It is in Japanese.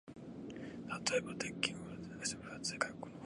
例えば、銀細工の紋章が表紙に付いた分厚い外国の本